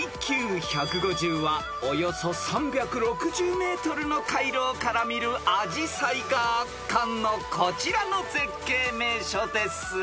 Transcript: ［ＩＱ１５０はおよそ３６０ｍの回廊から見るアジサイが圧巻のこちらの絶景名所です］